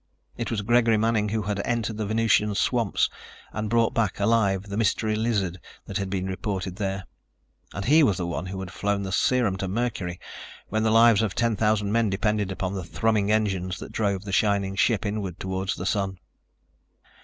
It was Gregory Manning who had entered the Venusian swamps and brought back, alive, the mystery lizard that had been reported there. And he was the one who had flown the serum to Mercury when the lives of ten thousand men depended upon the thrumming engines that drove the shining ship inward toward the Sun.